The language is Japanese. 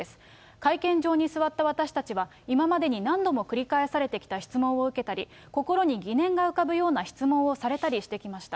会見場に座った私たちは今までに何度も繰り返されてきた質問を受けたり、心に疑念が浮かぶような質問をされたりしてきました。